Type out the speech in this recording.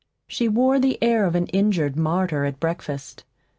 She wore the air of an injured martyr at breakfast.